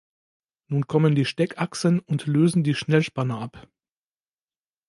Nun kommen die Steckachsen und lösen die Schnellspanner ab.